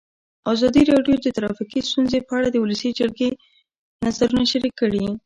ازادي راډیو د ټرافیکي ستونزې په اړه د ولسي جرګې نظرونه شریک کړي.